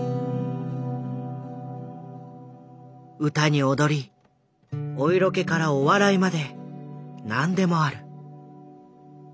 歌に踊りお色気からお笑いまで何でもある。